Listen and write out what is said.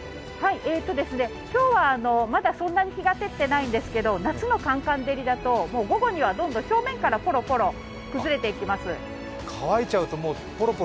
今日はまだそんなに日が照っていないんですけれども夏のかんかん照りだと午後には表面からポロポロ崩れていきます。